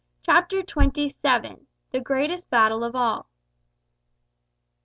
CHAPTER TWENTY SEVEN. THE GREATEST BATTLE OF ALL.